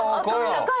赤い！